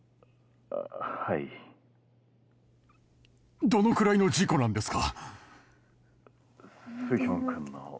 ☎はいどのくらいの事故なんですか？